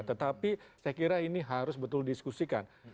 tetapi saya kira ini harus betul diskusikan